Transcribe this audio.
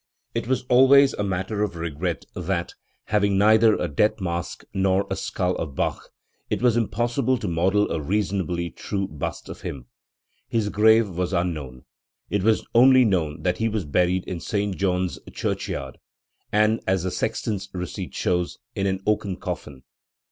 It was always a matter of regret that, having neither a death mask nor a skull of Bach, it was impossible to model a reasonably true bust of him. His grave was unknown. It was only known that he was buried in St. John's church yard, and, as the sexton's receipt shows, in an oaken coffin.